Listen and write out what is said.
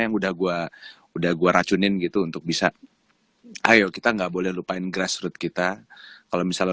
yang udah gua udah gua racunin gitu untuk bisa ayo kita nggak boleh lupain grassroot kita kalau misalnya